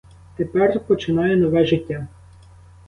Тепер починаю нове життя.